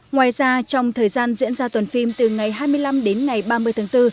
ngoài ra trong thời gian diễn ra tuần phim từ ngày hai mươi năm đến ngày ba mươi tháng bốn